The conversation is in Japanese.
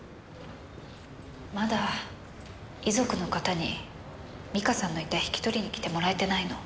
まだ遺族の方に実花さんの遺体引き取りにきてもらえてないの。